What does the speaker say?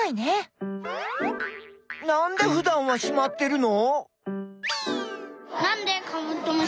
なんでふだんはしまってるの？